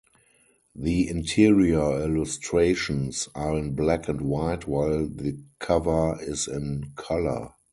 The interior illustrations are in black and white while the cover is in colour.